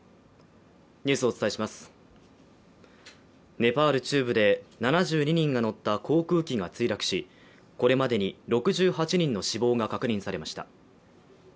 ネパール中部で７２人が乗った航空機が墜落しこれまでに６８人の死亡が確認されました。